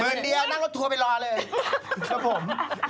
เดียวนั่งรถทัวร์ไปรอเลยครับผม